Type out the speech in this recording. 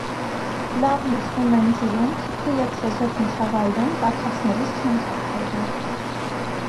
Լավ լուծվում են ջրում, թթու և չեզոք միջավայրում, տաքացնելիս չեն քայքայվում։